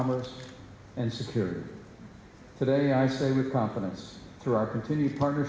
dengan persahabatan perniagaan dan keamanan